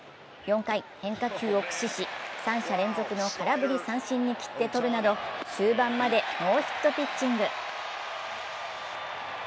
４回、変化球を駆使し、３者連続の空振り三振に切ってとるなど終盤までノーヒットピッチング。